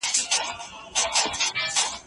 زده کوونکي باید خپل وخت په انټرنیټ ضایع نه کړي.